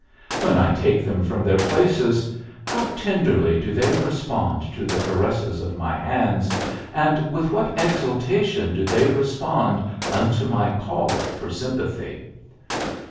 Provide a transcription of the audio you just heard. When I take them from their places, how tenderly do they respond to the caresses of my hands, and with what exultation do they respond unto my call for sympathy!